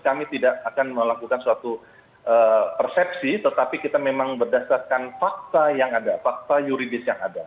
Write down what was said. kami tidak akan melakukan suatu persepsi tetapi kita memang berdasarkan fakta yang ada fakta yuridis yang ada